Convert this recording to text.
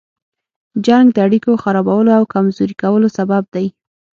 جنګ د اړيکو خرابولو او کمزوري کولو سبب دی.